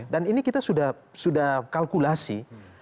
dan ini kita sudah kalkulasi